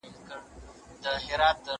زه به سبا د کتابتون کتابونه ولوستم!!